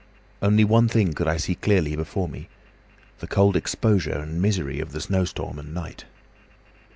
"Only one thing could I see clearly before me—the cold exposure and misery of the snowstorm and the night.